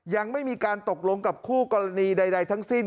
ยังไม่มีการตกลงกับคู่กรณีใดทั้งสิ้น